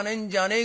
え？